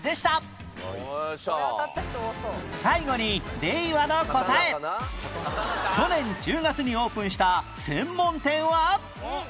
最後に去年１０月にオープンした専門店は